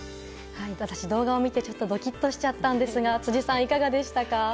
私、動画を見てちょっとドキッとしちゃったんですが辻さん、いかがでしたか？